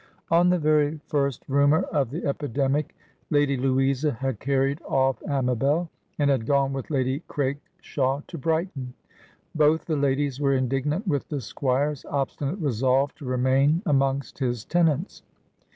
On the very first rumor of the epidemic, Lady Louisa had carried off Amabel, and had gone with Lady Craikshaw to Brighton. Both the ladies were indignant with the Squire's obstinate resolve to remain amongst his tenants.